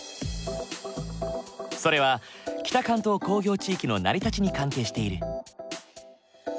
それは北関東工業地域の成り立ちに関係している。